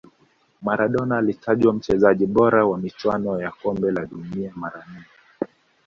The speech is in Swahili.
maradona alitajwa mchezaji bora wa michuano ya kombe la dunia mara nne